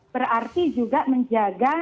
berarti juga menjaga